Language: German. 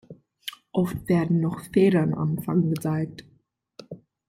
Oft werden noch Federn am Fang gezeigt.